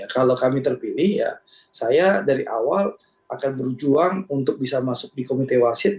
kalau kami terpilih ya saya dari awal akan berjuang untuk bisa masuk di komite wasit